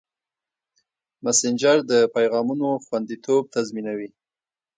مسېنجر د پیغامونو خوندیتوب تضمینوي.